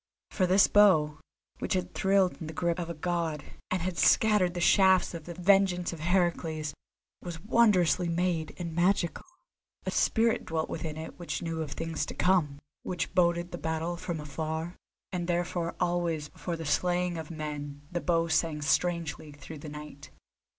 For this bow, which had thrilled in the grip of a god, and had scattered the shafts of the vengeance of Heracles, was wondrously made and magical. A spirit dwelt within it which knew of things to come, which boded the battle from afar, and therefore always before the slaying of men the bow sang strangely through the night.